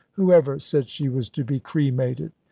Whoever said she was to be cremated?"